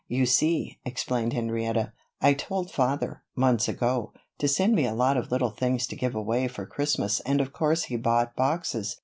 "You see," explained Henrietta, "I told Father, months ago, to send me a lot of little things to give away for Christmas and of course he bought boxes.